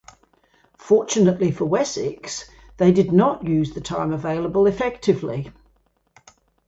Fortunately for Wessex they did not use the time available effectively.